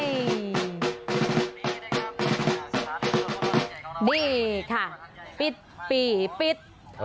นี่ค่ะปิดปีปิด